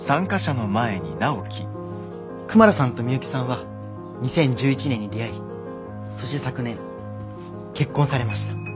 クマラさんとミユキさんは２０１１年に出会いそして昨年結婚されました。